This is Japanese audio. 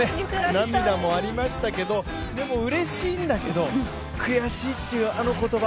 涙もありましたけど、でも、うれしいんだけど、悔しいっていう、あの言葉。